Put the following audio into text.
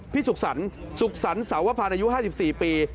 พี่สุขสรรสุขสรรเสาวภาพอายุ๕๔ปี